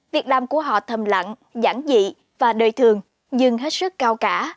việc làm của họ thầm lặng giản dị và đời thường nhưng hết sức cao cả